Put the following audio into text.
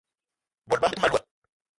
Bot bama be te ma louga